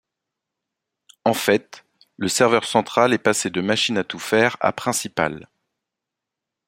En fait, le serveur central est passé de machine à tout faire à principal.